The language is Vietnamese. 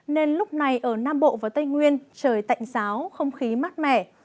nên lúc này ở nam bộ và tây nguyên trời tạnh giáo không khí mát mẻ